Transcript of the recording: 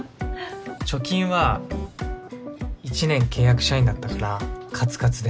貯金は１年契約社員だったからカツカツで。